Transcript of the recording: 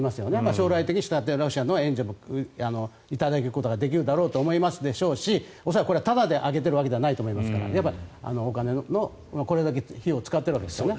将来的にロシアの援助も頂くことができるだろうと思いますでしょうし恐らく、これはタダであげているわけではないと思いますからやっぱりお金これだけの費用を使っているわけですからね。